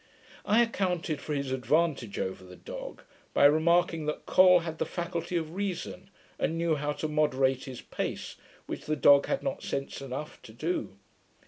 I accounted for his advantage over the dog, by remarking that Col had the faculty of reason, and knew how to moderate his pace, which the dog had not sense enough to do.